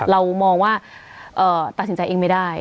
เรามองว่าตัดสินใจเองไม่ได้